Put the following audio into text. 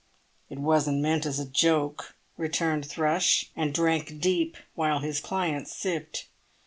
"It wasn't meant as a joke," returned Thrush, and drank deep while his client sipped.